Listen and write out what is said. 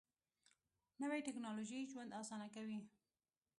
نوې ټیکنالوژي ژوند اسانه کوي